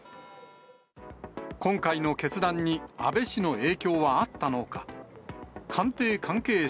今回の決断に、安倍氏の影響はあったのか。